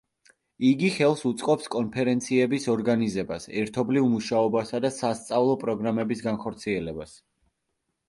იგი ხელს უწყობს კონფერენციების ორგანიზებას, ერთობლივ მუშაობასა და სასწავლო პროგრამების განხორციელებას.